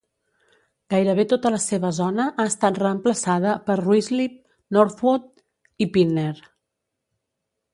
Gairebé tota la seva zona ha estat reemplaçada per Ruislip, Northwood i Pinner.